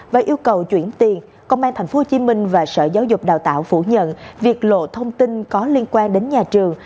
và yêu cầu chuyển tiền công an tp hcm và sở giáo dục đào tạo phủ nhận việc lộ thông tin có liên quan đến nhà trường